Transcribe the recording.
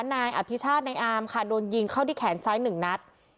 นายอภิชาตินายอามค่ะโดนยิงเข้าที่แขนซ้ายหนึ่งนัด